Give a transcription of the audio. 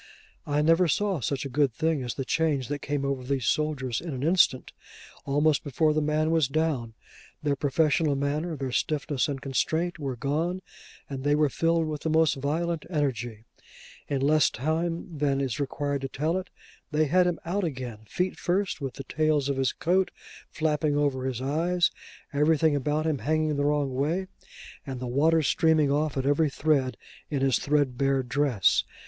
I never saw such a good thing as the change that came over these soldiers in an instant. Almost before the man was down, their professional manner, their stiffness and constraint, were gone, and they were filled with the most violent energy. In less time than is required to tell it, they had him out again, feet first, with the tails of his coat flapping over his eyes, everything about him hanging the wrong way, and the water streaming off at every thread in his threadbare dress.